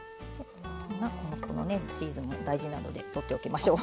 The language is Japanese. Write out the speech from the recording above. このねチーズも大事なのでとっておきましょう。